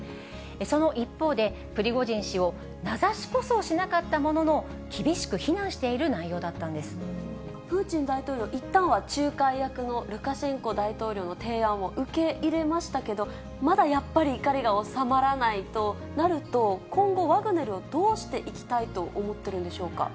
その一方で、プリゴジン氏を名指しこそしなかったものの、厳しく非難しているプーチン大統領、いったんは仲介役のルカシェンコ大統領の提案を受け入れましたけど、まだやっぱり怒りが収まらないとなると、今後、ワグネルをどうしていきたいと思ってるんでしょうか。